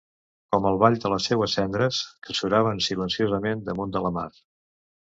Com el ball de les seues cendres que suraven silenciosament damunt de la mar.